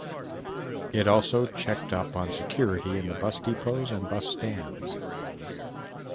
It also checked up on security in the bus depots and bus stands.